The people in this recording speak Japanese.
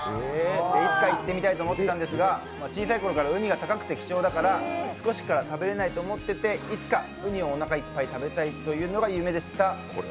いつか行ってみたいと思ってたんですが小さいころからうにが高くて貴重だから少ししか食べれないと思っていていつかウニをおなかいっぱい食べたいというのが夢でした。